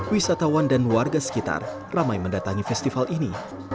wisatawan dan warga sekitar ramai mendatangi festival ini